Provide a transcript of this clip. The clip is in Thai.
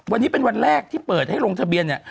วันนี้เป็นวันแรกที่เปิดให้ลงทะเบียนเนี่ย